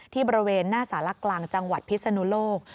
บริเวณหน้าสารกลางจังหวัดพิศนุโลก